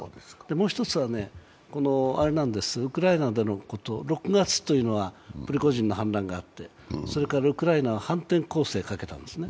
もう一つは、ウクライナでのこと６月というのはプリゴジンの反乱があってウクライナは反転攻勢かけたんですね。